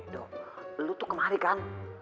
dok lu tuh kemari kan